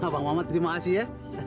bang mamat terima kasih ya